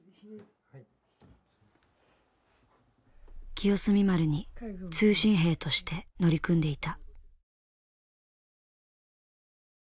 清澄丸に通信兵として乗り組んでいた。